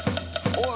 おい。